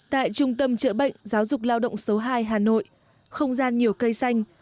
tại trung tâm chữa bệnh giáo dục lao động số hai hà nội không gian nhiều cây xanh